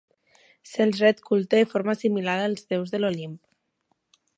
Se'ls ret culte de forma similar als deus de l'Olimp.